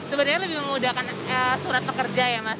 sebenarnya lebih memudahkan surat pekerja ya mas